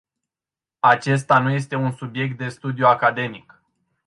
Acesta nu este un subiect de studiu academic.